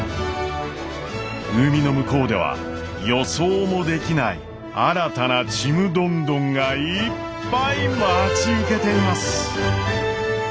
海の向こうでは予想もできない新たなちむどんどんがいっぱい待ち受けています。